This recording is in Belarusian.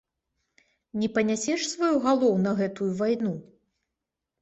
Не панясеш сваю галоў на гэтую вайну?